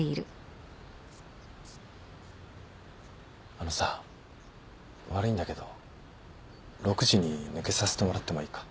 あのさ悪いんだけど６時に抜けさせてもらってもいいか？